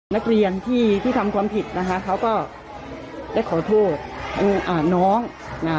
นักเรียนที่ที่ทำความผิดนะคะเขาก็ได้ขอโทษอ่าน้องอ่า